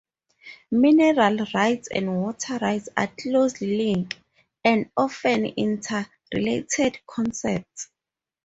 Mineral rights and water rights are closely linked, and often interrelated concepts.